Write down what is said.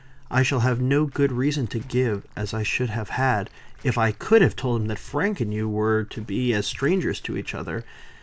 I shall have no good reason to give, as I should have had, if I could have told him that Frank and you were to be as strangers to each other.